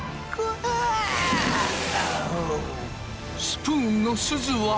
スプーンのすずは。